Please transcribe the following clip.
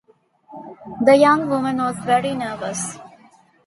The young woman was very nervous.